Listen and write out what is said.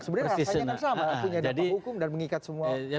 sebenarnya rasanya kan sama punya dampak hukum dan mengikat semua